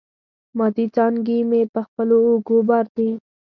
ماتي څانګي مي په خپلو اوږو بار دي